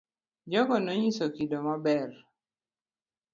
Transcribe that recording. Jogo no nyiso kido ma ber.